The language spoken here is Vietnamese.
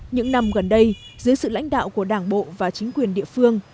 những năm gần đây dưới sự lãnh đạo của đảng bộ và chính quyền địa phương